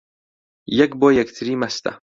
یەک بۆ یەکتری مەستە